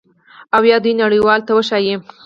او یا دوی نړیوالو ته وښایي